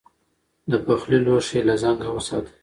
د پخلي لوښي له زنګ وساتئ.